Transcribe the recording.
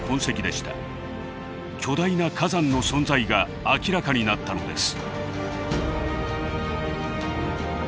巨大な火山の存在が明らかになったのです。